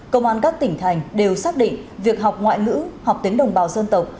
công an các tỉnh thành đều xác định việc học ngoại ngữ học tiếng đồng bào dân tộc